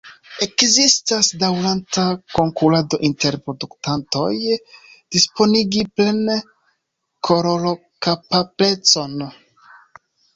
Ekzistas daŭranta konkurado inter produktantoj disponigi plen-kolorokapablecon.